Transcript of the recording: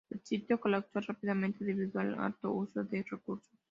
El sitio colapsó rápidamente debido al alto uso de recursos.